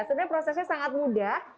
sebenarnya prosesnya sangat mudah